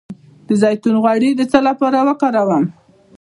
د زیتون غوړي د څه لپاره وکاروم؟